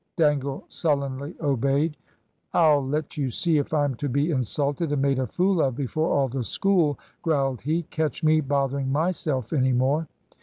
Dangle sullenly obeyed. "I'll let you see if I'm to be insulted and made a fool of before all the school," growled he. "Catch me bothering myself any more."